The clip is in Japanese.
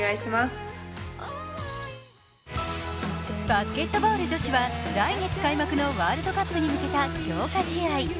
バスケットボール女子は来月開幕のワールドカップに向けた強化試合。